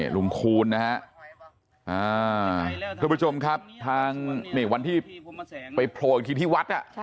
โรงคูณครับท่านผู้ชมครับเฮ้ยวันที่ไปโผล่ทีที่วัด